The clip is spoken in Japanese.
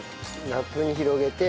ラップに広げて。